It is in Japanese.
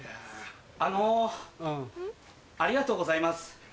あのありがとうございます。